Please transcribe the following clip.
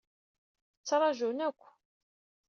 Ttṛajun akk.